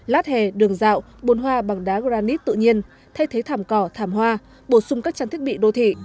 lát hề đường dạo bồn hoa bằng đá granite tự nhiên thay thế thảm cỏ thảm hoa bổ sung các trang thiết bị đô thị